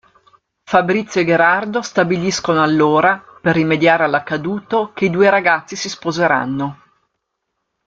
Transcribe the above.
Fabrizio e Gherardo stabiliscono allora, per rimediare all'accaduto, che i due ragazzi si sposeranno.